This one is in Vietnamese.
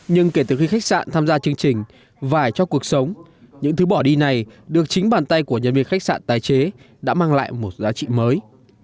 nhưng kể từ khi khách sạn tham gia chương trình vải cho cuộc sống những thứ bỏ đi này được chính bàn tay của nhân viên khách sạn tái chế đã mang lại một giá trị mới